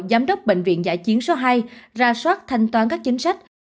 giám đốc bệnh viện giã chiến số hai ra soát thanh toán các chính sách